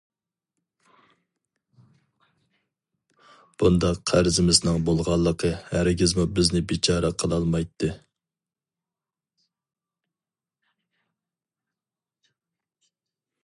بۇنداق قەرزىمىزنىڭ بولغانلىقى ھەرگىزمۇ بىزنى بىچارە قىلالمايتتى.